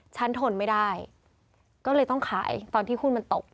ทนไม่ได้ก็เลยต้องขายตอนที่หุ้นมันตก